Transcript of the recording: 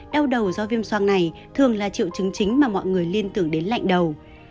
đau đầu do viêm soang này thường là triệu chứng chính mà mọi người liên tưởng đến lạnh đầu